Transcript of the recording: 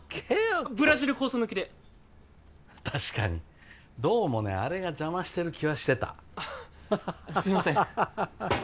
ブラジル酵素抜きで確かにどうもねあれが邪魔してる気はしてたすいません